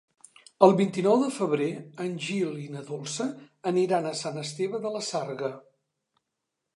El vint-i-nou de febrer en Gil i na Dolça aniran a Sant Esteve de la Sarga.